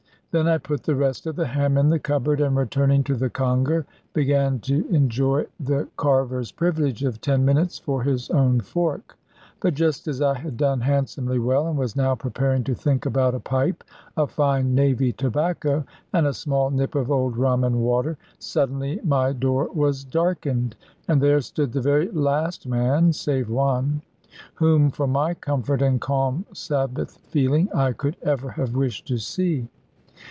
Then I put the rest of the ham in the cupboard, and returning to the conger, began to enjoy the carver's privilege of ten minutes for his own fork. But just as I had done handsomely well, and was now preparing to think about a pipe of fine Navy tobacco, and a small nip of old rum and water, suddenly my door was darkened, and there stood the very last man (save one) whom, for my comfort and calm Sabbath feeling, I could ever have wished to see.